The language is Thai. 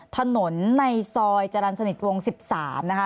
ถนนในซอยจรรย์สนิทวง๑๓นะคะ